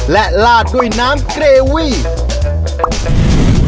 และลาดด้วยน้ำเกรวี่